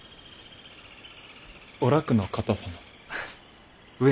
お楽の方様？へへ。